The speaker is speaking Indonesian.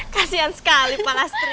kasian sekali pak lastri